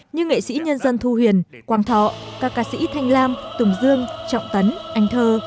như nghệ sĩ nhân dân thu huyền quang thọ các ca sĩ thanh lam tùng dương trọng tấn anh thơ